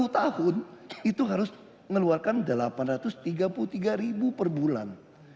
tiga puluh tahun itu harus mengeluarkan rp delapan ratus tiga puluh tiga per bulan